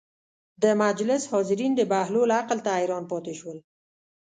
د مجلس حاضرین د بهلول عقل ته حیران پاتې شول.